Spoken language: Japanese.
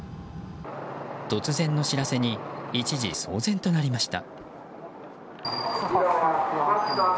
突然の知らせに一時、騒然となりました。